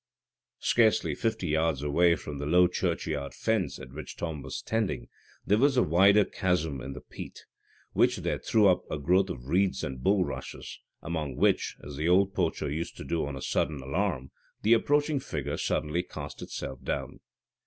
Scarcely fifty yards away from the low churchyard fence at which Tom was standing, there was a wider chasm in the peat, which there threw up a growth of reeds and bulrushes, among which, as the old poacher used to do on a sudden alarm, the approaching figure suddenly cast itself down.